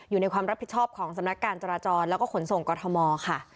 อยู่ในความรับผิดชอบของสำนักการจราจรแล้วก็ขนส่งกรทมค่ะ